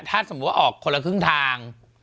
ถ้าสมมุติว่าออกคนละครึ่งทาง